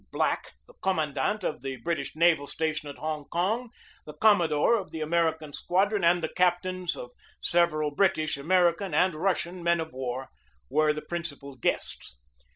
Black, the commandant of the British naval station at Hong Kong, the com modore of the American squadron, and the captains of several British, American, and Russian men of war were the principal guests.